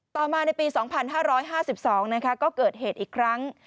ต่อมาในปี๒๕๕๒ก็เกิดเหตุอีกครั้ง